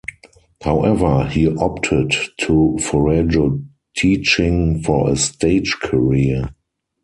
However, he opted to forego teaching for a stage career.